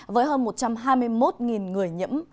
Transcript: với hơn một trăm hai mươi một người nhiễm